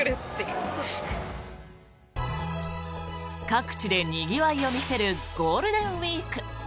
各地でにぎわいを見せるゴールデンウィーク。